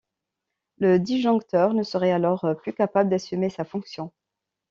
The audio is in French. Le disjoncteur ne serait alors plus capable d'assumer sa fonction.